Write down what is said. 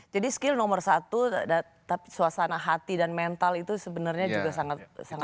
jadi skill nomor satu tapi suasana hati dan mental itu sebenarnya juga sangat penting ya